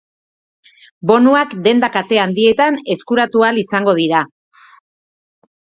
Bonuak denda kate handietan eskuratu ahal izango dira.